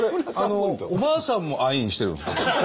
おばあさんもアイーンしてるんですか？